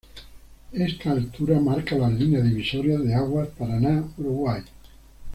Esta altura marca la línea divisoria de aguas Paraná-Uruguay.